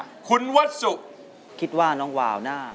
โอ้โหไปทบทวนเนื้อได้โอกาสทองเลยนานทีเดียวเป็นไงครับวาว